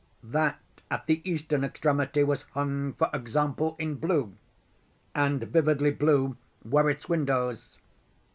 That at the eastern extremity was hung, for example, in blue—and vividly blue were its windows.